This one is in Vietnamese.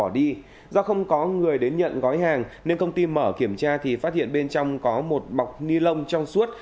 do không có người đến nhận gói hàng nên công ty mở kiểm tra thì phát hiện bên trong có một bọc ni lông trong suốt